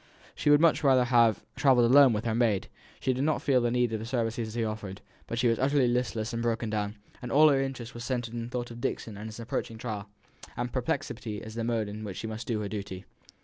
She would much rather have travelled alone with her maid; she did not feel the need of the services he offered; but she was utterly listless and broken down; all her interest was centred in the thought of Dixon and his approaching trial, and perplexity as to the mode in which she must do her duty.